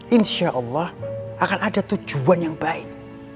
insyaallah akan ada tujuan yang baik